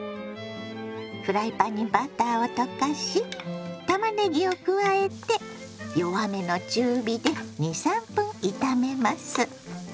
フライパンにバターを溶かしたまねぎを加えて弱めの中火で２３分炒めます。